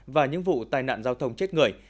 và những vụ tai nạn giao thông chết người